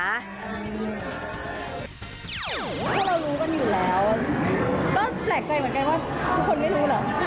เพราะเรารู้กันอยู่แล้วก็แปลกใจเหมือนกันว่าทุกคนไม่รู้เหรอ